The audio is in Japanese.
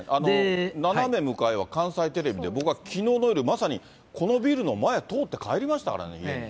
斜め向かいは関西テレビで、きのうの夜、僕はまさにこのビルの前、通って帰りましたからね、家に。